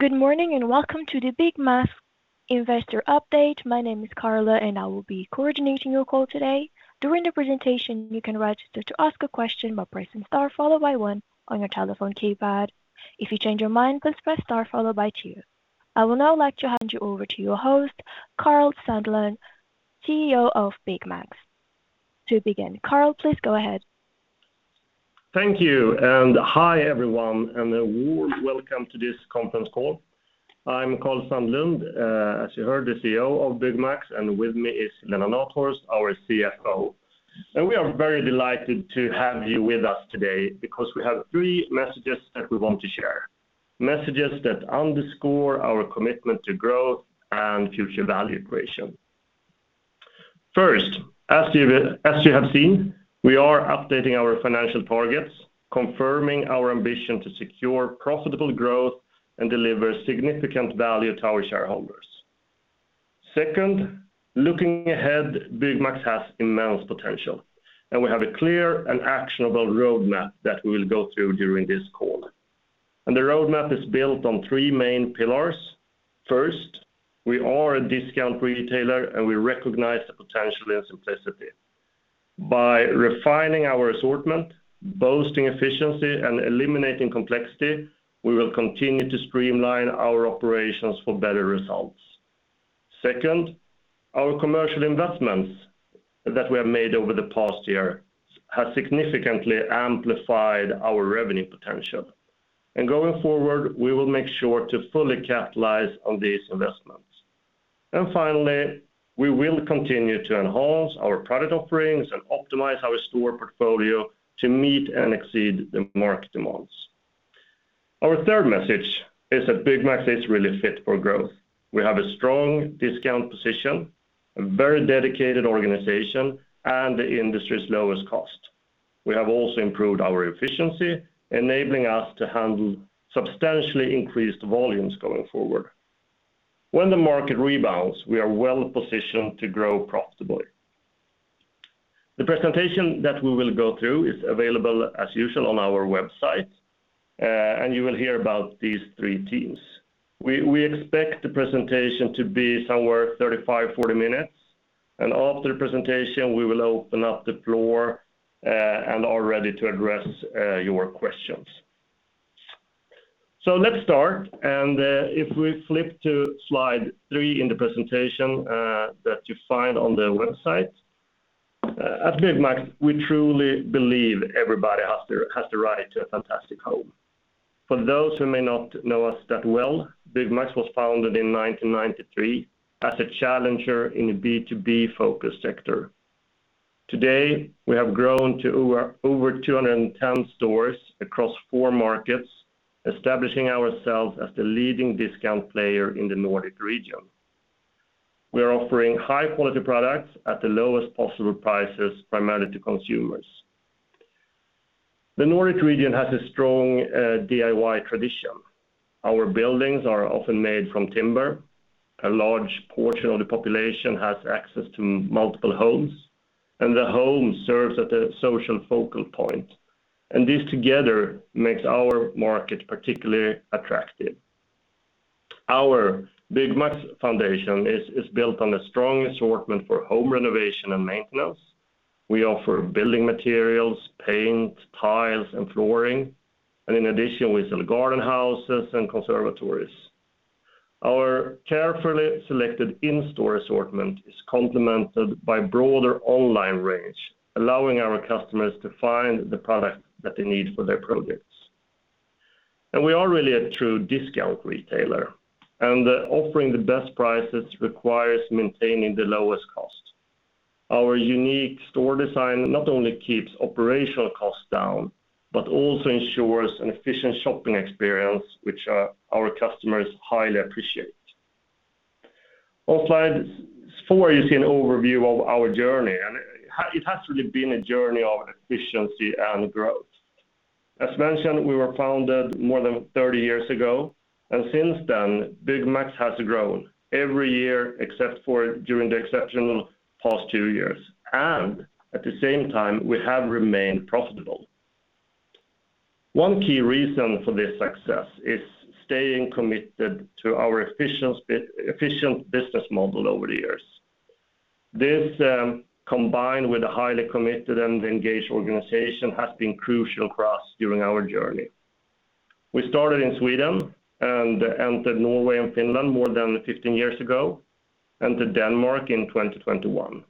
Good morning and welcome to the Byggmax Investor Update. My name is Carla, and I will be coordinating your call today. During the presentation, you can register to ask a question by pressing star followed by one on your telephone keypad. If you change your mind, please press star followed by two. I will now like to hand you over to your host, Karl Sandlund, CEO of Byggmax. To begin, Karl, please go ahead. Thank you, and hi everyone, and a warm welcome to this conference call. I'm Karl Sandlund, as you heard, the CEO of Byggmax, and with me is Helena Nathhorst, our CFO. We are very delighted to have you with us today because we have three messages that we want to share, messages that underscore our commitment to growth and future value creation. First, as you have seen, we are updating our financial targets, confirming our ambition to secure profitable growth and deliver significant value to our shareholders. Second, looking ahead, Byggmax has immense potential, and we have a clear and actionable roadmap that we will go through during this call. The roadmap is built on three main pillars. First, we are a discount retailer, and we recognize the potential in simplicity. By refining our assortment, boosting efficiency, and eliminating complexity, we will continue to streamline our operations for better results. Second, our commercial investments that we have made over the past year have significantly amplified our revenue potential. Going forward, we will make sure to fully capitalize on these investments. Finally, we will continue to enhance our product offerings and optimize our store portfolio to meet and exceed the market demands. Our third message is that Byggmax is really fit for growth. We have a strong discount position, a very dedicated organization, and the industry's lowest cost. We have also improved our efficiency, enabling us to handle substantially increased volumes going forward. When the market rebounds, we are well positioned to grow profitably. The presentation that we will go through is available, as usual, on our website, and you will hear about these three themes. We expect the presentation to be somewhere 35-40 minutes, and after the presentation, we will open up the floor and are ready to address your questions. So let's start, and if we flip to slide three in the presentation that you find on the website, at Byggmax, we truly believe everybody has the right to a fantastic home. For those who may not know us that well, Byggmax was founded in 1993 as a challenger in the B2B-focused sector. Today, we have grown to over 210 stores across four markets, establishing ourselves as the leading discount player in the Nordic region. We are offering high-quality products at the lowest possible prices, primarily to consumers. The Nordic region has a strong DIY tradition. Our buildings are often made from timber. A large portion of the population has access to multiple homes, and the home serves as a social focal point. This together makes our market particularly attractive. Our Byggmax foundation is built on a strong assortment for home renovation and maintenance. We offer building materials, paint, tiles, and flooring, and in addition, we sell garden houses and conservatories. Our carefully selected in-store assortment is complemented by a broader online range, allowing our customers to find the product that they need for their projects. We are really a true discount retailer, and offering the best prices requires maintaining the lowest cost. Our unique store design not only keeps operational costs down but also ensures an efficient shopping experience, which our customers highly appreciate. On slide four, you see an overview of our journey, and it has really been a journey of efficiency and growth. As mentioned, we were founded more than 30 years ago, and since then, Byggmax has grown every year except for during the exceptional past two years. At the same time, we have remained profitable. One key reason for this success is staying committed to our efficient business model over the years. This, combined with a highly committed and engaged organization, has been crucial for us during our journey. We started in Sweden and entered Norway and Finland more than 15 years ago, entered Denmark in 2021.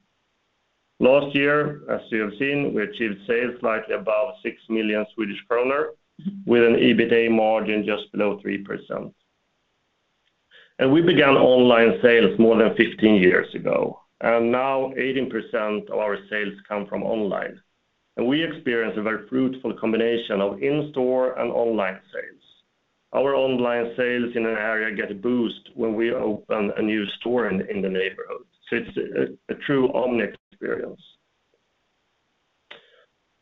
Last year, as you have seen, we achieved sales slightly above 6 million Swedish kronor with an EBITDA margin just below 3%. We began online sales more than 15 years ago, and now 18% of our sales come from online. We experience a very fruitful combination of in-store and online sales. Our online sales in an area get a boost when we open a new store in the neighborhood. So it's a true omni experience.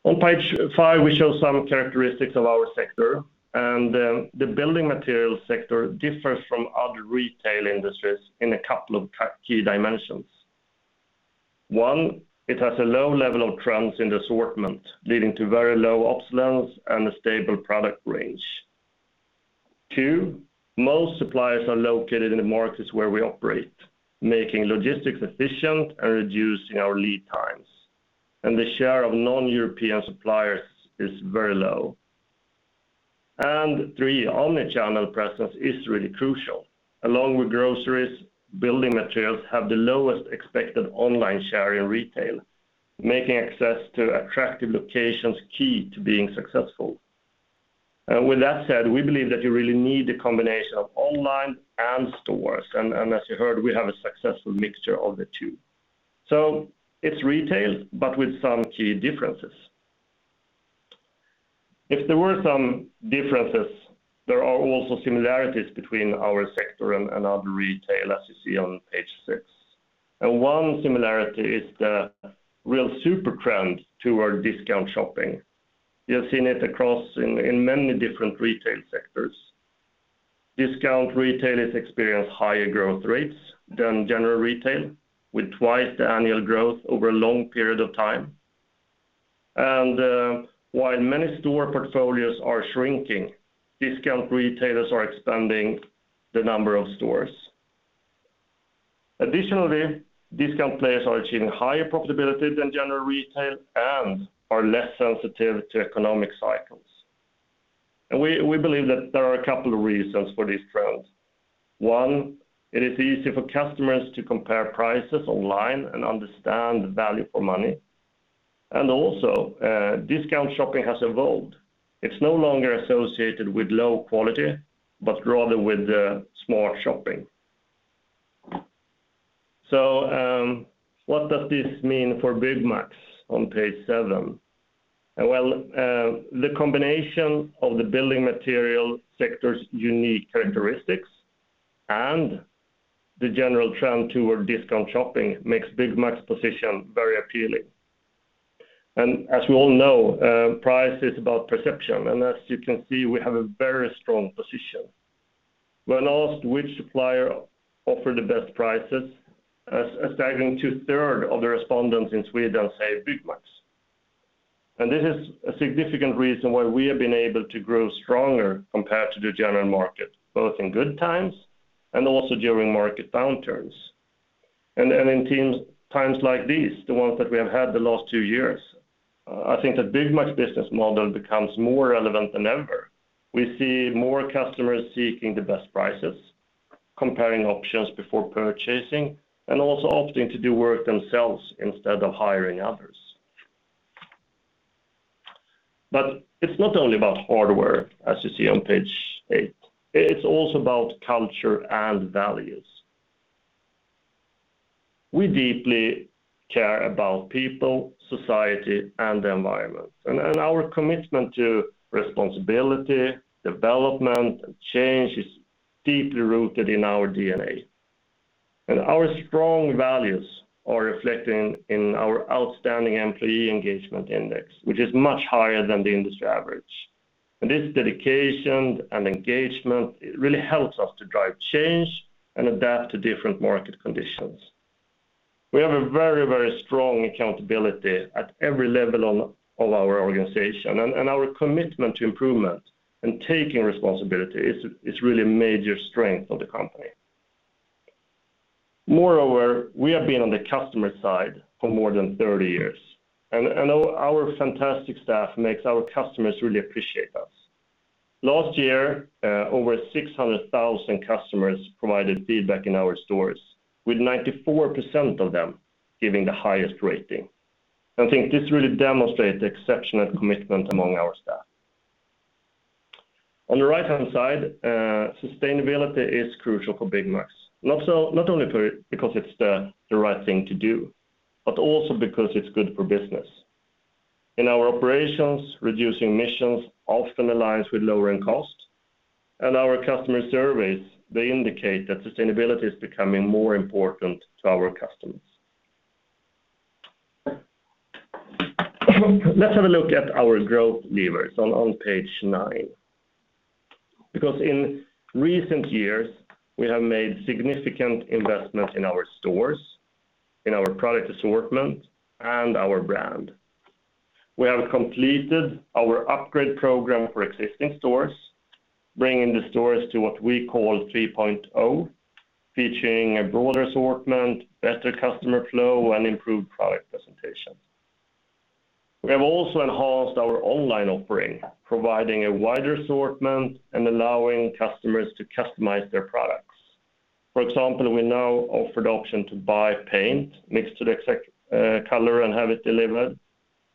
On page five, we show some characteristics of our sector, and the building materials sector differs from other retail industries in a couple of key dimensions. One, it has a low level of trends in the assortment, leading to very low obsolescence and a stable product range. Two, most suppliers are located in the markets where we operate, making logistics efficient and reducing our lead times. And the share of non-European suppliers is very low. And three, omnichannel presence is really crucial. Along with groceries, building materials have the lowest expected online share in retail, making access to attractive locations key to being successful. And with that said, we believe that you really need the combination of online and stores. As you heard, we have a successful mixture of the two. So it's retail, but with some key differences. If there were some differences, there are also similarities between our sector and other retail, as you see on page six. And one similarity is the real super trend toward discount shopping. You have seen it across in many different retail sectors. Discount retailers experience higher growth rates than general retail, with twice the annual growth over a long period of time. And while many store portfolios are shrinking, discount retailers are expanding the number of stores. Additionally, discount players are achieving higher profitability than general retail and are less sensitive to economic cycles. And we believe that there are a couple of reasons for this trend. One, it is easy for customers to compare prices online and understand value for money. And also, discount shopping has evolved. It's no longer associated with low quality but rather with smart shopping. So what does this mean for Byggmax on page seven? Well, the combination of the building material sector's unique characteristics and the general trend toward discount shopping makes Byggmax's position very appealing. As we all know, price is about perception. As you can see, we have a very strong position. When asked which supplier offered the best prices, a staggering 2/3 of the respondents in Sweden say Byggmax. This is a significant reason why we have been able to grow stronger compared to the general market, both in good times and also during market downturns. In times like these, the ones that we have had the last two years, I think that Byggmax's business model becomes more relevant than ever. We see more customers seeking the best prices, comparing options before purchasing, and also opting to do work themselves instead of hiring others. But it's not only about hardware, as you see on page eight. It's also about culture and values. We deeply care about people, society, and the environment. And our commitment to responsibility, development, and change is deeply rooted in our DNA. And our strong values are reflected in our outstanding Employee Engagement Index, which is much higher than the industry average. And this dedication and engagement really helps us to drive change and adapt to different market conditions. We have a very, very strong accountability at every level of our organization. And our commitment to improvement and taking responsibility is really a major strength of the company. Moreover, we have been on the customer side for more than 30 years. Our fantastic staff makes our customers really appreciate us. Last year, over 600,000 customers provided feedback in our stores, with 94% of them giving the highest rating. I think this really demonstrates the exceptional commitment among our staff. On the right-hand side, sustainability is crucial for Byggmax, not only because it's the right thing to do but also because it's good for business. In our operations, reducing emissions often aligns with lowering costs. Our customer surveys, they indicate that sustainability is becoming more important to our customers. Let's have a look at our growth levers on page nine because in recent years, we have made significant investments in our stores, in our product assortment, and our brand. We have completed our upgrade program for existing stores, bringing the stores to what we call 3.0, featuring a broader assortment, better customer flow, and improved product presentation. We have also enhanced our online offering, providing a wider assortment and allowing customers to customize their products. For example, we now offer the option to buy paint mixed to the color and have it delivered.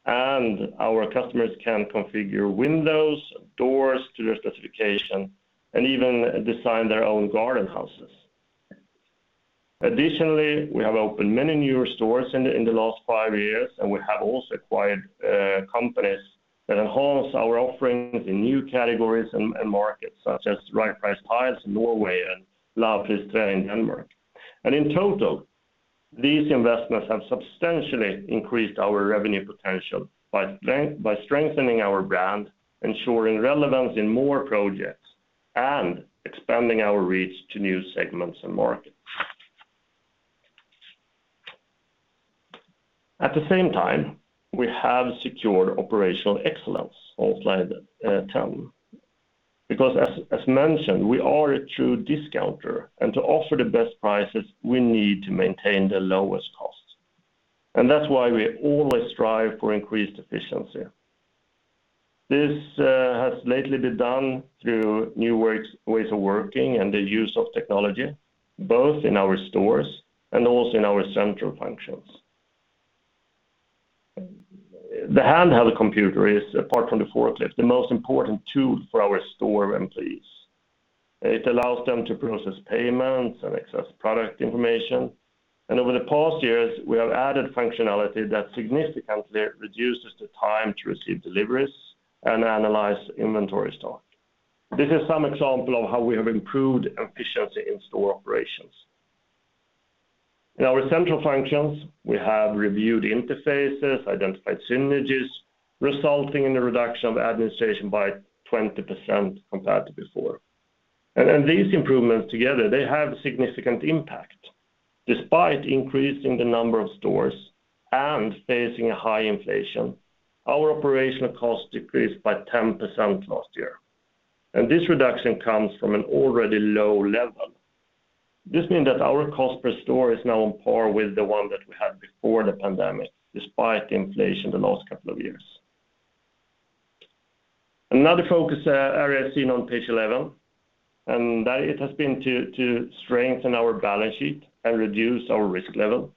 Our customers can configure windows, doors to their specification, and even design their own garden houses. Additionally, we have opened many newer stores in the last five years, and we have also acquired companies that enhance our offerings in new categories and markets such as Right Price Tiles in Norway and Lavpris Træ in Denmark. In total, these investments have substantially increased our revenue potential by strengthening our brand, ensuring relevance in more projects, and expanding our reach to new segments and markets. At the same time, we have secured operational excellence on slide 10 because, as mentioned, we are a true discounter. To offer the best prices, we need to maintain the lowest costs. That's why we always strive for increased efficiency. This has lately been done through new ways of working and the use of technology, both in our stores and also in our central functions. The handheld computer is, apart from the forklift, the most important tool for our store employees. It allows them to process payments and access product information. Over the past years, we have added functionality that significantly reduces the time to receive deliveries and analyze inventory stock. This is some example of how we have improved efficiency in store operations. In our central functions, we have reviewed interfaces, identified synergies, resulting in a reduction of administration by 20% compared to before. These improvements together, they have significant impact. Despite increasing the number of stores and facing high inflation, our operational costs decreased by 10% last year. This reduction comes from an already low level. This means that our cost per store is now on par with the one that we had before the pandemic, despite the inflation the last couple of years. Another focus area I've seen on page 11, and it has been to strengthen our balance sheet and reduce our risk level.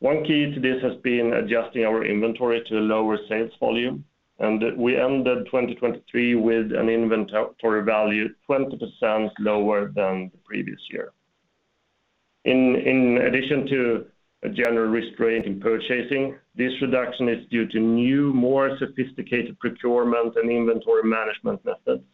One key to this has been adjusting our inventory to a lower sales volume. We ended 2023 with an inventory value 20% lower than the previous year. In addition to a general restraint in purchasing, this reduction is due to new, more sophisticated procurement and inventory management methods.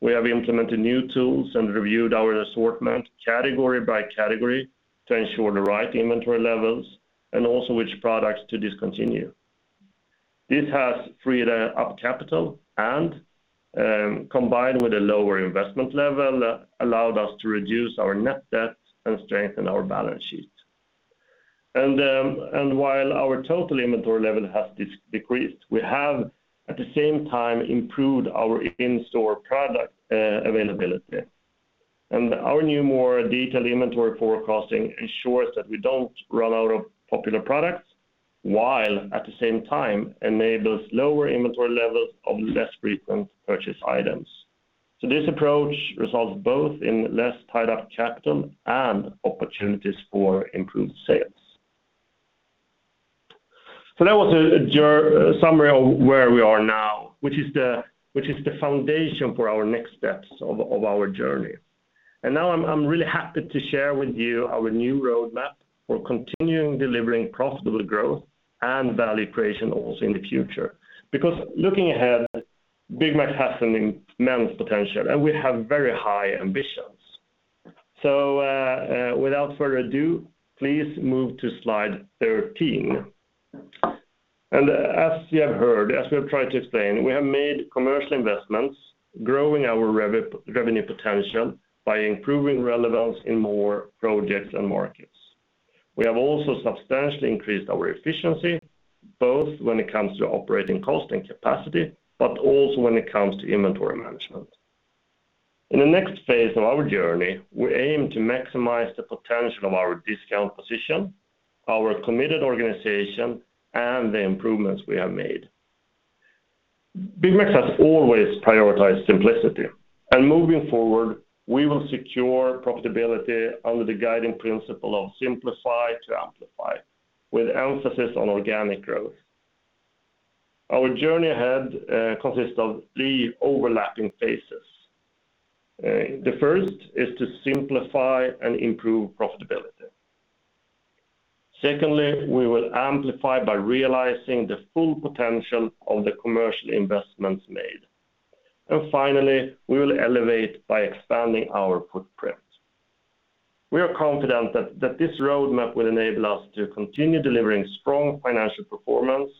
We have implemented new tools and reviewed our assortment category by category to ensure the right inventory levels and also which products to discontinue. This has freed up capital and, combined with a lower investment level, allowed us to reduce our net debt and strengthen our balance sheet. While our total inventory level has decreased, we have, at the same time, improved our in-store product availability. Our new, more detailed inventory forecasting ensures that we don't run out of popular products while, at the same time, enables lower inventory levels of less frequent purchase items. This approach results both in less tied-up capital and opportunities for improved sales. That was a summary of where we are now, which is the foundation for our next steps of our journey. Now I'm really happy to share with you our new roadmap for continuing delivering profitable growth and value creation also in the future because, looking ahead, Byggmax has an immense potential, and we have very high ambitions. So without further ado, please move to slide 13. And as you have heard, as we have tried to explain, we have made commercial investments, growing our revenue potential by improving relevance in more projects and markets. We have also substantially increased our efficiency, both when it comes to operating cost and capacity but also when it comes to inventory management. In the next phase of our journey, we aim to maximize the potential of our discount position, our committed organization, and the improvements we have made. Byggmax has always prioritized simplicity. And moving forward, we will secure profitability under the guiding principle of Simplify to Amplify, with emphasis on organic growth. Our journey ahead consists of three overlapping phases. The first is to simplify and improve profitability. Secondly, we will amplify by realizing the full potential of the commercial investments made. Finally, we will elevate by expanding our footprint. We are confident that this roadmap will enable us to continue delivering strong financial performance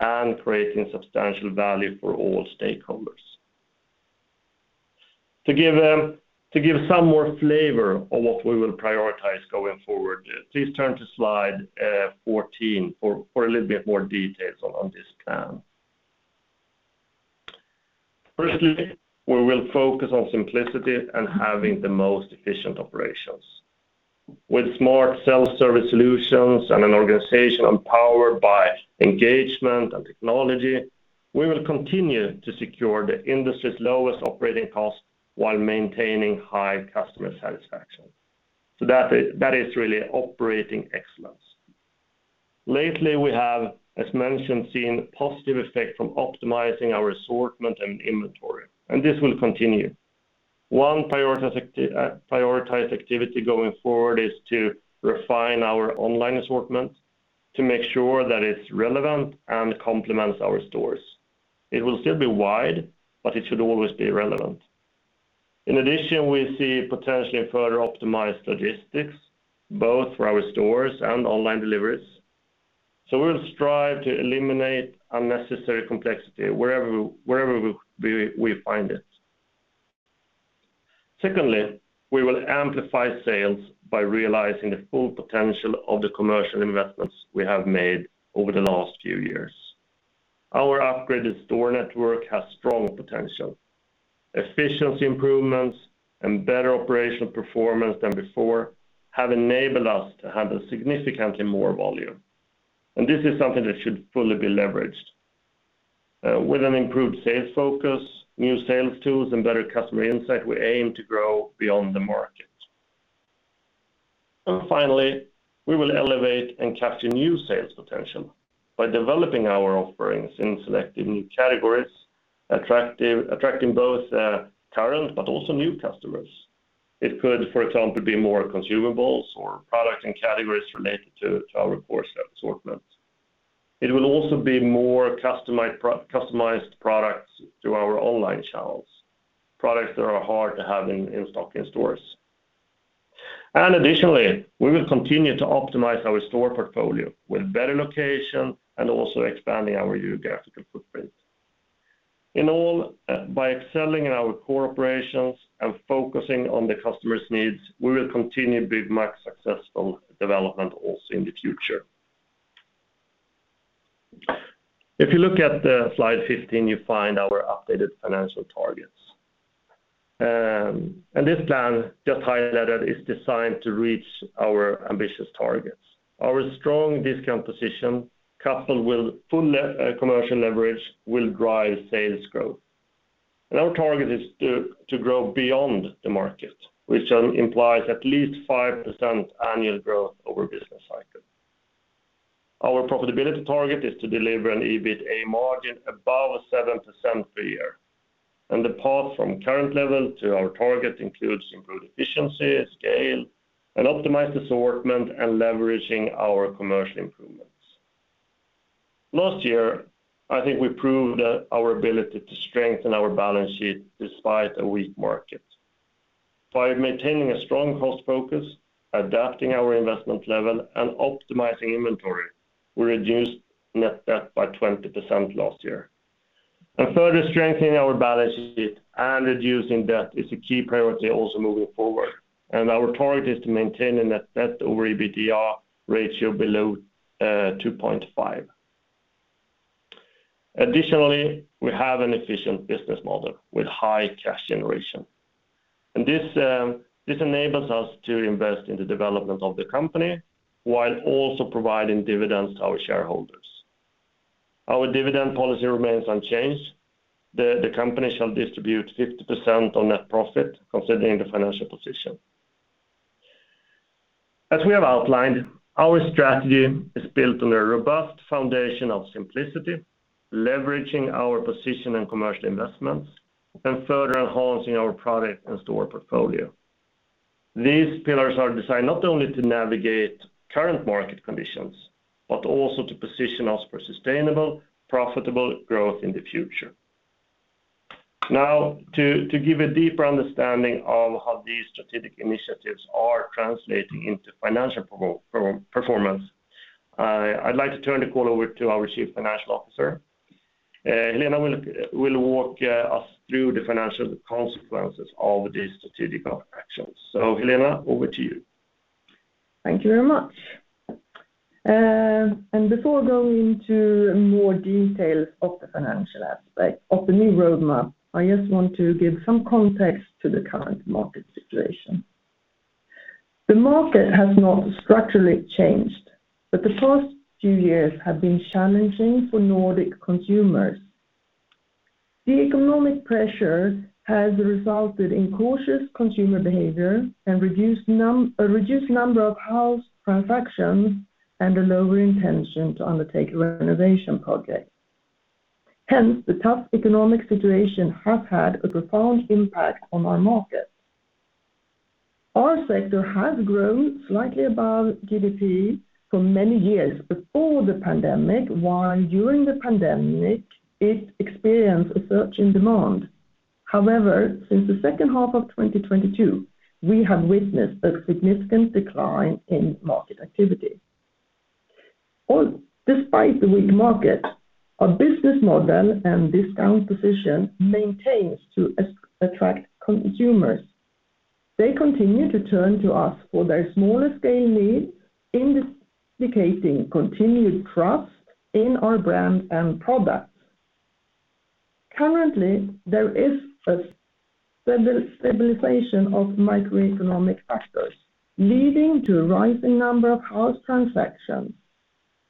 and creating substantial value for all stakeholders. To give some more flavor of what we will prioritize going forward, please turn to slide 14 for a little bit more details on this plan. Firstly, we will focus on simplicity and having the most efficient operations. With smart self-service solutions and an organization empowered by engagement and technology, we will continue to secure the industry's lowest operating costs while maintaining high customer satisfaction. So that is really operating excellence. Lately, we have, as mentioned, seen a positive effect from optimizing our assortment and inventory. This will continue. One prioritized activity going forward is to refine our online assortment to make sure that it's relevant and complements our stores. It will still be wide, but it should always be relevant. In addition, we see potentially further optimized logistics, both for our stores and online deliveries. So we will strive to eliminate unnecessary complexity wherever we find it. Secondly, we will amplify sales by realizing the full potential of the commercial investments we have made over the last few years. Our upgraded store network has strong potential. Efficiency improvements and better operational performance than before have enabled us to handle significantly more volume. And this is something that should fully be leveraged. With an improved sales focus, new sales tools, and better customer insight, we aim to grow beyond the market. And finally, we will elevate and capture new sales potential by developing our offerings in selective new categories, attracting both current but also new customers. It could, for example, be more consumables or products and categories related to our core assortment. It will also be more customized products through our online channels, products that are hard to have in stock in stores. Additionally, we will continue to optimize our store portfolio with better location and also expanding our geographical footprint. By excelling in our core operations and focusing on the customers' needs, we will continue Byggmax's successful development also in the future. If you look at slide 15, you find our updated financial targets. This plan, just highlighted, is designed to reach our ambitious targets. Our strong discount position, coupled with full commercial leverage, will drive sales growth. Our target is to grow beyond the market, which implies at least 5% annual growth over business cycle. Our profitability target is to deliver an EBITA margin above 7% per year. The path from current level to our target includes improved efficiency, scale, and optimized assortment and leveraging our commercial improvements. Last year, I think we proved our ability to strengthen our balance sheet despite a weak market. By maintaining a strong cost focus, adapting our investment level, and optimizing inventory, we reduced net debt by 20% last year. Further strengthening our balance sheet and reducing debt is a key priority also moving forward. Our target is to maintain a net debt over EBITDA ratio below 2.5. Additionally, we have an efficient business model with high cash generation. This enables us to invest in the development of the company while also providing dividends to our shareholders. Our dividend policy remains unchanged. The company shall distribute 50% of net profit, considering the financial position. As we have outlined, our strategy is built on a robust foundation of simplicity, leveraging our position and commercial investments, and further enhancing our product and store portfolio. These pillars are designed not only to navigate current market conditions but also to position us for sustainable, profitable growth in the future. Now, to give a deeper understanding of how these strategic initiatives are translating into financial performance, I'd like to turn the call over to our Chief Financial Officer. Helena will walk us through the financial consequences of these strategic actions. So Helena, over to you. Thank you very much. And before going into more details of the financial aspect, of the new roadmap, I just want to give some context to the current market situation. The market has not structurally changed, but the past few years have been challenging for Nordic consumers. The economic pressure has resulted in cautious consumer behavior and reduced number of house transactions and a lower intention to undertake renovation projects. Hence, the tough economic situation has had a profound impact on our market. Our sector has grown slightly above GDP for many years before the pandemic, while during the pandemic, it experienced a surge in demand. However, since the second half of 2022, we have witnessed a significant decline in market activity. Despite the weak market, our business model and discount position maintains to attract consumers. They continue to turn to us for their smaller-scale needs, indicating continued trust in our brand and products. Currently, there is a stabilization of microeconomic factors leading to a rising number of house transactions.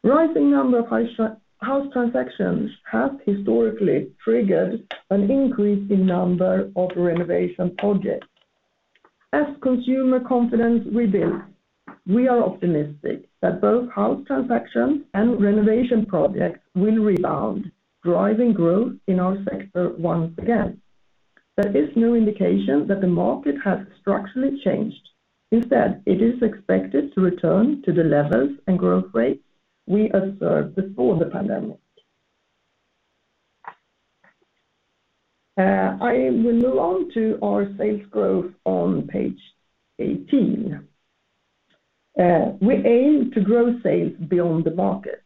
Rising number of house transactions has historically triggered an increase in number of renovation projects. As consumer confidence rebuilds, we are optimistic that both house transactions and renovation projects will rebound, driving growth in our sector once again. There is no indication that the market has structurally changed. Instead, it is expected to return to the levels and growth rates we observed before the pandemic. I will move on to our sales growth on page 18. We aim to grow sales beyond the market.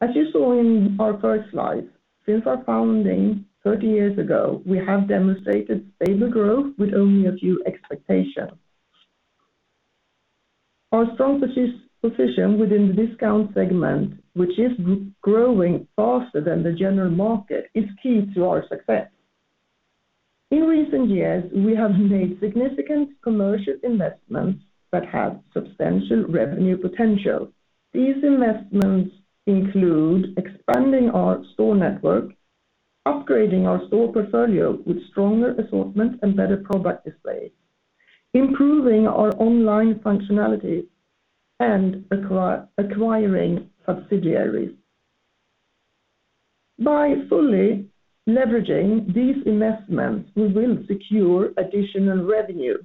As you saw in our first slide, since our founding 30 years ago, we have demonstrated stable growth with only a few exceptions. Our strong position within the discount segment, which is growing faster than the general market, is key to our success. In recent years, we have made significant commercial investments that have substantial revenue potential. These investments include expanding our store network, upgrading our store portfolio with stronger assortment and better product display, improving our online functionality, and acquiring subsidiaries. By fully leveraging these investments, we will secure additional revenue.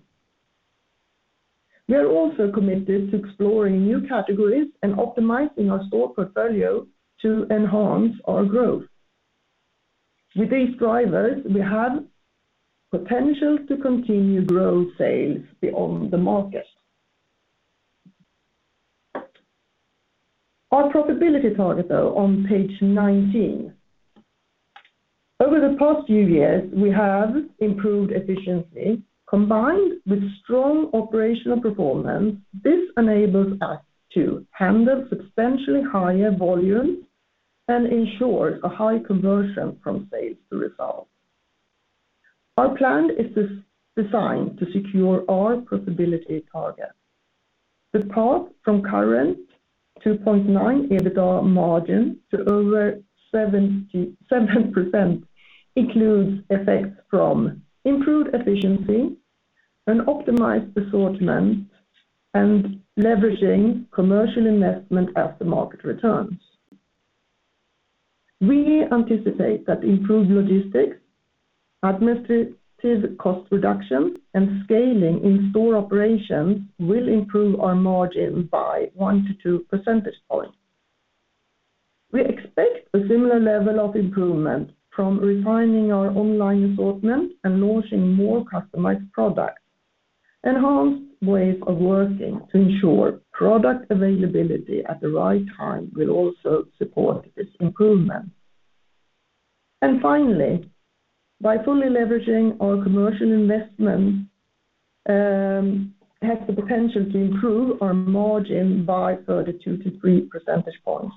We are also committed to exploring new categories and optimizing our store portfolio to enhance our growth. With these drivers, we have potential to continue growing sales beyond the market. Our profitability target, though, on page 19. Over the past few years, we have improved efficiency. Combined with strong operational performance, this enables us to handle substantially higher volumes and ensures a high conversion from sales to results. Our plan is designed to secure our profitability target. The path from current 2.9 EBITDA margin to over 7% includes effects from improved efficiency, an optimized assortment, and leveraging commercial investment as the market returns. We anticipate that improved logistics, administrative cost reduction, and scaling in store operations will improve our margin by 1-2 percentage points. We expect a similar level of improvement from refining our online assortment and launching more customized products. Enhanced ways of working to ensure product availability at the right time will also support this improvement. Finally, by fully leveraging our commercial investment has the potential to improve our margin by further 2-3 percentage points.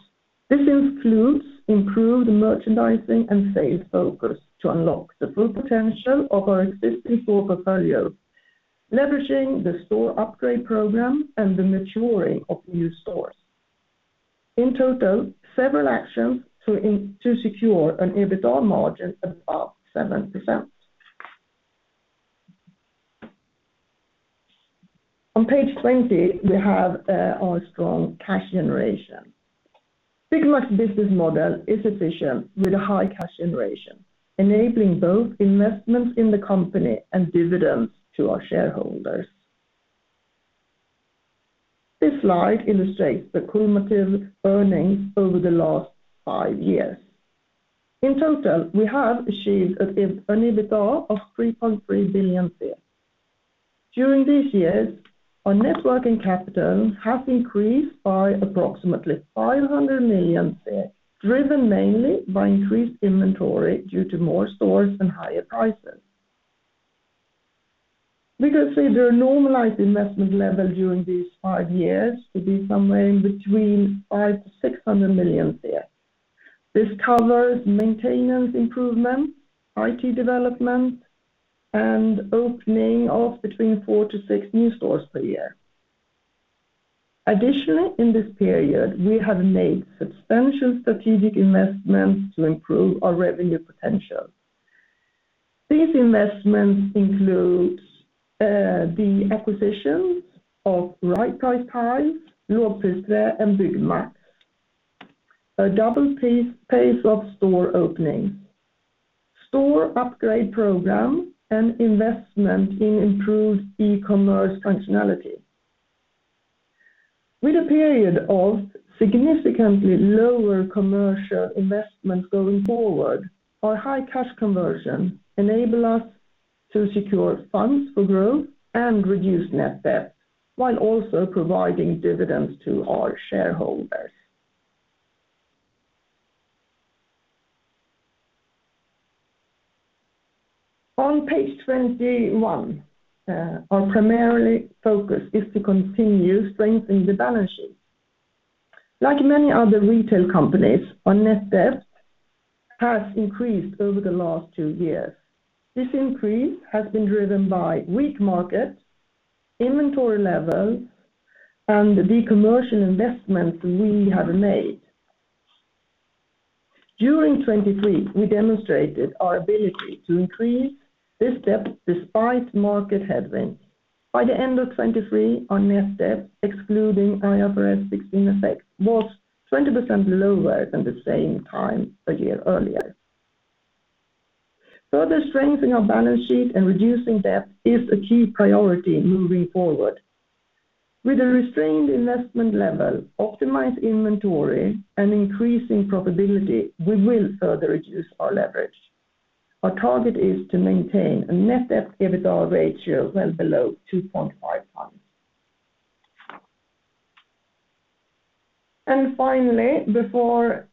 This includes improved merchandising and sales focus to unlock the full potential of our existing store portfolio, leveraging the store upgrade program and the maturing of new stores. In total, several actions to secure an EBITDA margin above 7%. On page 20, we have our strong cash generation. Byggmax's business model is efficient with a high cash generation, enabling both investments in the company and dividends to our shareholders. This slide illustrates the cumulative earnings over the last five years. In total, we have achieved an EBITDA of 3.3 billion. During these years, our net working capital has increased by approximately 500 million, driven mainly by increased inventory due to more stores and higher prices. We can see the normalized investment level during these five years to be somewhere in between 500 million to 600 million. This covers maintenance improvement, IT development, and opening of between four to six new stores per year. Additionally, in this period, we have made substantial strategic investments to improve our revenue potential. These investments include the acquisitions of Right Price Tiles, Lavpris Træ and Byggmax, a double pace of store openings, store upgrade program, and investment in improved e-commerce functionality. With a period of significantly lower commercial investments going forward, our high cash conversion enables us to secure funds for growth and reduce net debt while also providing dividends to our shareholders. On page 21, our primary focus is to continue strengthening the balance sheet. Like many other retail companies, our net debt has increased over the last two years. This increase has been driven by weak market, inventory levels, and the commercial investments we have made. During 2023, we demonstrated our ability to increase this debt despite market headwinds. By the end of 2023, our net debt, excluding IFRS 16 effect, was 20% lower than the same time a year earlier. Further strengthening our balance sheet and reducing debt is a key priority moving forward. With a restrained investment level, optimized inventory, and increasing profitability, we will further reduce our leverage. Our target is to maintain a net debt/EBITDA ratio well below 2.5 points. Finally, before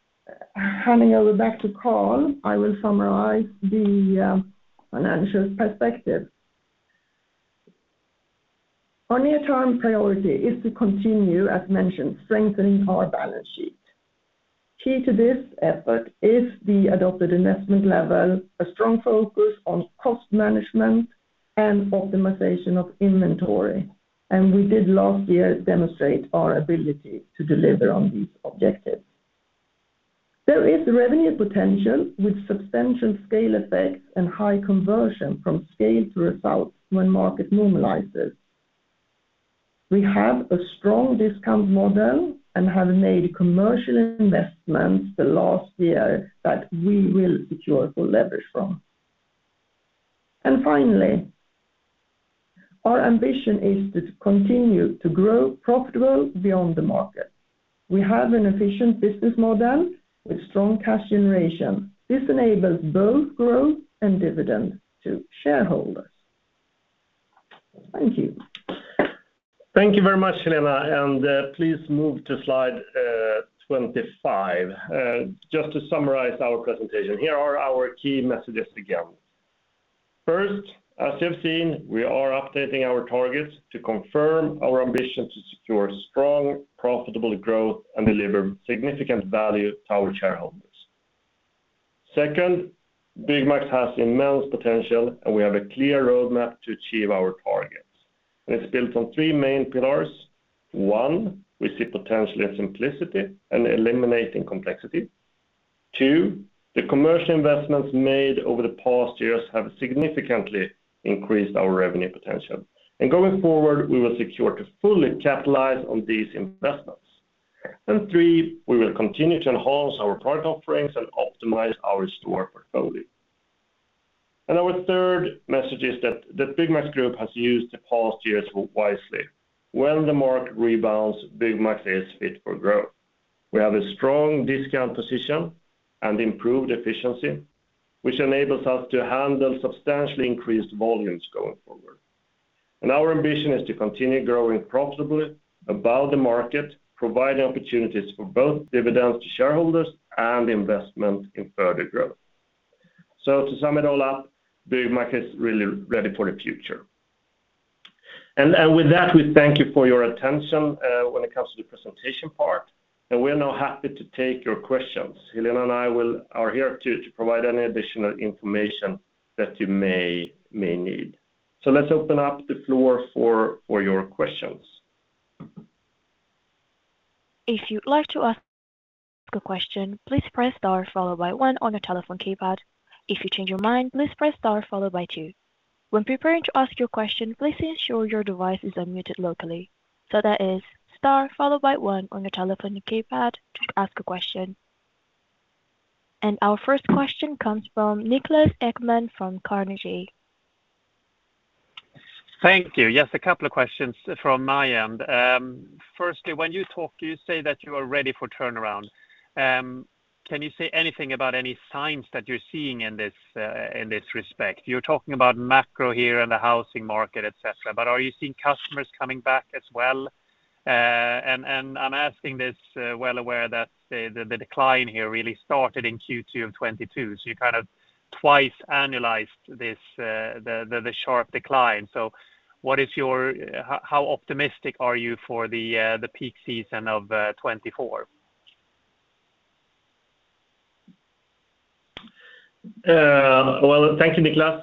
handing over back to Karl, I will summarize the financial perspective. Our near-term priority is to continue, as mentioned, strengthening our balance sheet. Key to this effort is the adopted investment level, a strong focus on cost management, and optimization of inventory. We did last year demonstrate our ability to deliver on these objectives. There is revenue potential with substantial scale effects and high conversion from scale to results when market normalizes. We have a strong discount model and have made commercial investments the last year that we will secure full leverage from. Finally, our ambition is to continue to grow profitable beyond the market. We have an efficient business model with strong cash generation. This enables both growth and dividend to shareholders. Thank you. Thank you very much, Helena. Please move to slide 25 just to summarize our presentation. Here are our key messages again. First, as you have seen, we are updating our targets to confirm our ambition to secure strong, profitable growth and deliver significant value to our shareholders. Second, Byggmax has immense potential, and we have a clear roadmap to achieve our targets. It's built on three main pillars. One, we see potential in simplicity and eliminating complexity. Two, the commercial investments made over the past years have significantly increased our revenue potential. Going forward, we will secure to fully capitalize on these investments. Three, we will continue to enhance our product offerings and optimize our store portfolio. Our third message is that Byggmax Group has used the past years wisely. When the market rebounds, Byggmax is fit for growth. We have a strong discount position and improved efficiency, which enables us to handle substantially increased volumes going forward. Our ambition is to continue growing profitably above the market, providing opportunities for both dividends to shareholders and investment in further growth. To sum it all up, Byggmax is really ready for the future. With that, we thank you for your attention when it comes to the presentation part. We're now happy to take your questions. Helena and I are here to provide any additional information that you may need. Let's open up the floor for your questions. If you'd like to ask a question, please press star followed by one on your telephone keypad. If you change your mind, please press star followed by two. When preparing to ask your question, please ensure your device is unmuted locally. So that is star followed by one on your telephone keypad to ask a question. Our first question comes from Niklas Ekman from Carnegie. Thank you. Yes, a couple of questions from my end. Firstly, when you talk, you say that you are ready for turnaround. Can you say anything about any signs that you're seeing in this respect? You're talking about macro here and the housing market, etc. But are you seeing customers coming back as well? And I'm asking this well aware that the decline here really started in Q2 of 2022. So you kind of twice annualized the sharp decline. So how optimistic are you for the peak season of 2024? Well, thank you, Niklas.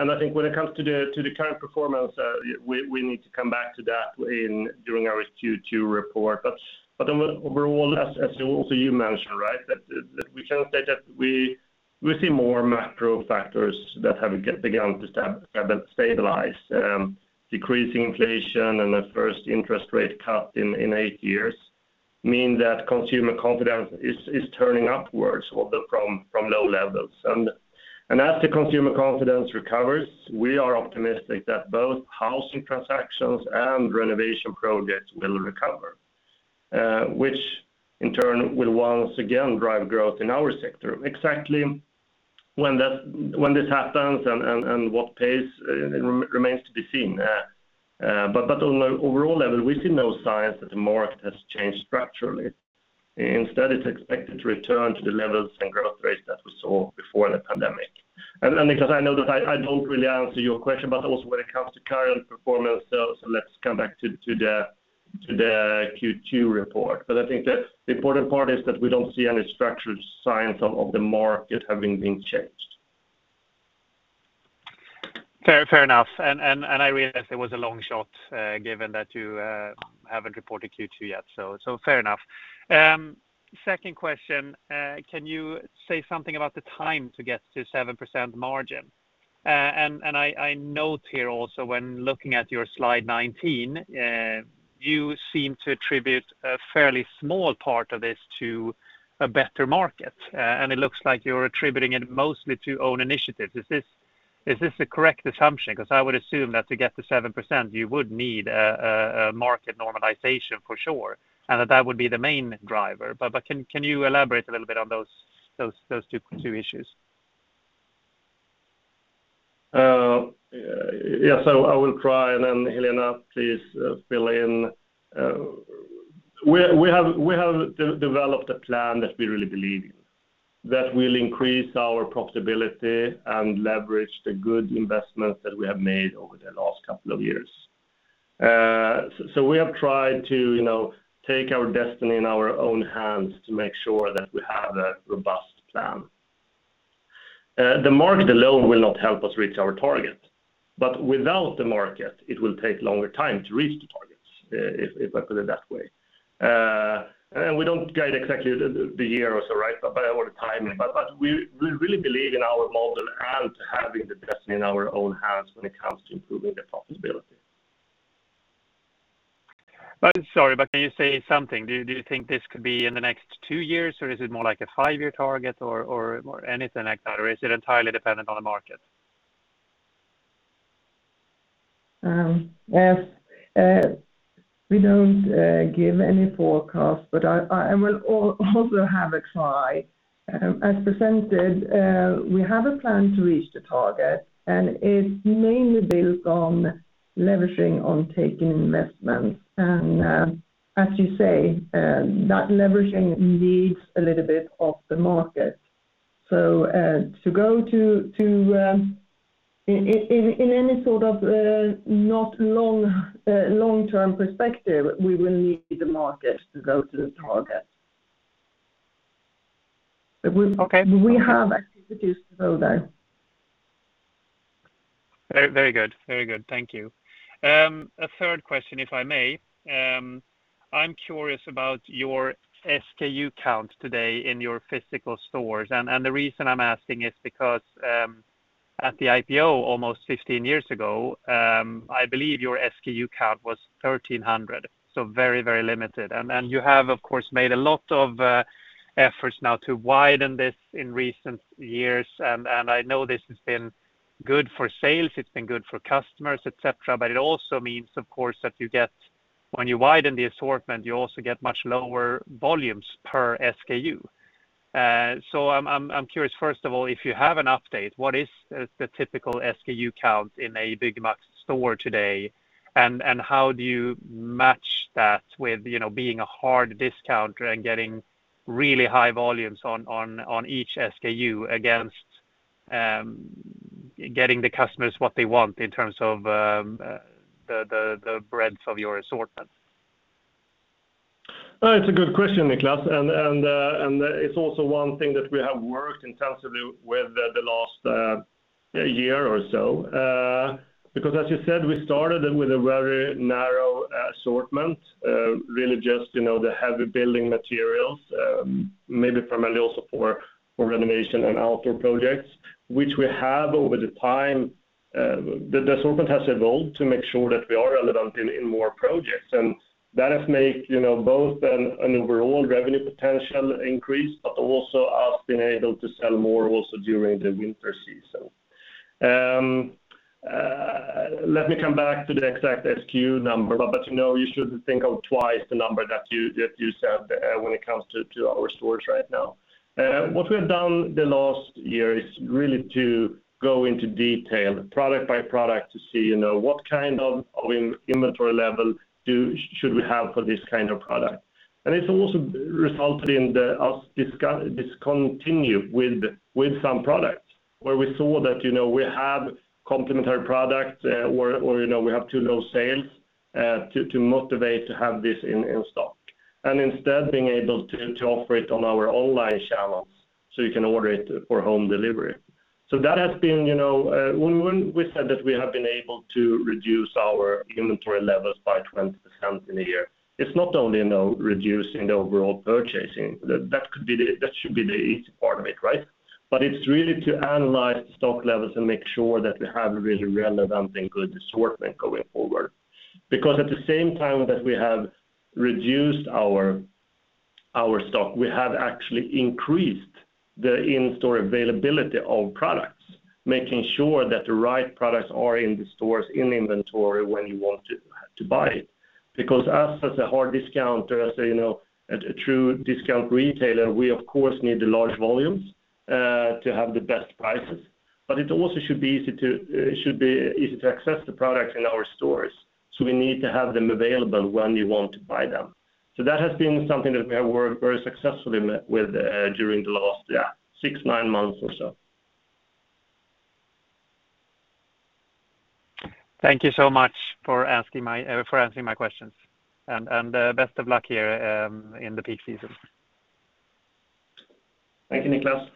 And I think when it comes to the current performance, we need to come back to that during our Q2 report. But overall, as also you mentioned, right, that we can state that we see more macro factors that have begun to stabilize. Decreasing inflation and the first interest rate cut in eight years mean that consumer confidence is turning upwards from low levels. And as the consumer confidence recovers, we are optimistic that both housing transactions and renovation projects will recover, which in turn will once again drive growth in our sector. Exactly when this happens and what pace remains to be seen. But on an overall level, we see no signs that the market has changed structurally. Instead, it's expected to return to the levels and growth rates that we saw before the pandemic. Niklas, I know that I don't really answer your question, but also when it comes to current performance, so let's come back to the Q2 report. But I think the important part is that we don't see any structural signs of the market having been changed. Fair enough. And I realize it was a long shot given that you haven't reported Q2 yet. So fair enough. Second question, can you say something about the time to get to 7% margin? And I note here also, when looking at your slide 19, you seem to attribute a fairly small part of this to a better market. And it looks like you're attributing it mostly to own initiatives. Is this a correct assumption? Because I would assume that to get to 7%, you would need a market normalization for sure and that that would be the main driver. But can you elaborate a little bit on those two issues? Yes. So I will try. And then, Helena, please fill in. We have developed a plan that we really believe in, that will increase our profitability and leverage the good investments that we have made over the last couple of years. So we have tried to take our destiny in our own hands to make sure that we have a robust plan. The market alone will not help us reach our target. But without the market, it will take longer time to reach the targets, if I put it that way. And we don't guide exactly the year or so, right, or the time. But we really believe in our model and having the destiny in our own hands when it comes to improving the profitability. Sorry, but can you say something? Do you think this could be in the next two years, or is it more like a five-year target or anything like that? Or is it entirely dependent on the market? Yes. We don't give any forecasts. But I will also have a try. As presented, we have a plan to reach the target. And it's mainly built on leveraging on taken investments. And as you say, that leveraging needs a little bit of the market. To, in any sort of not long-term perspective, we will need the market to go to the target. But we have activities to go there. Very good. Very good. Thank you. A third question, if I may. I'm curious about your SKU count today in your physical stores. The reason I'm asking is because at the IPO almost 15 years ago, I believe your SKU count was 1,300, so very, very limited. You have, of course, made a lot of efforts now to widen this in recent years. I know this has been good for sales. It's been good for customers, etc. It also means, of course, that when you widen the assortment, you also get much lower volumes per SKU. I'm curious, first of all, if you have an update. What is the typical SKU count in a Byggmax store today? How do you match that with being a hard discounter and getting really high volumes on each SKU against getting the customers what they want in terms of the breadth of your assortment? It's a good question, Niklas. It's also one thing that we have worked intensively with the last year or so. Because as you said, we started with a very narrow assortment, really just the heavy building materials, maybe primarily also for renovation and outdoor projects, which we have over the time the assortment has evolved to make sure that we are relevant in more projects. That has made both an overall revenue potential increase but also us being able to sell more also during the winter season. Let me come back to the exact SKU number. You should think of twice the number that you said when it comes to our stores right now. What we have done the last year is really to go into detail, product by product, to see what kind of inventory level should we have for this kind of product. And it's also resulted in us discontinuing with some products where we saw that we have complementary products or we have too low sales to motivate to have this in stock, and instead being able to offer it on our online channels so you can order it for home delivery. So that has been when we said that we have been able to reduce our inventory levels by 20% in a year; it's not only reducing the overall purchasing. That should be the easy part of it, right? But it's really to analyze the stock levels and make sure that we have a really relevant and good assortment going forward. Because at the same time that we have reduced our stock, we have actually increased the in-store availability of products, making sure that the right products are in the stores in inventory when you want to buy it. Because us as a hard discounter, as a true discount retailer, we, of course, need the large volumes to have the best prices. But it also should be easy to access the products in our stores. So we need to have them available when you want to buy them. So that has been something that we have worked very successfully with during the last six-nine months or so. Thank you so much for answering my questions. Best of luck here in the peak season. Thank you, Niklas.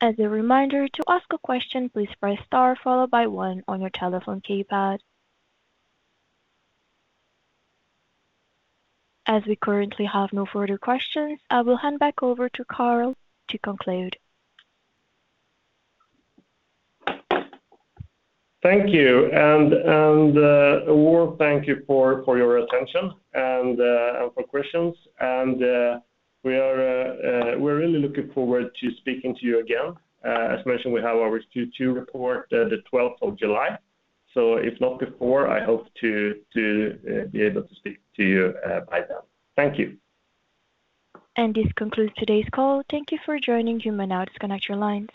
As a reminder, to ask a question, please press star followed by one on your telephone keypad. As we currently have no further questions, I will hand back over to Karl to conclude. Thank you. And a warm thank you for your attention and for questions. And we are really looking forward to speaking to you again. As mentioned, we have our Q2 report the 12th of July. So if not before, I hope to be able to speak to you by then. Thank you. This concludes today's call. Thank you for joining. At this time, disconnect your lines.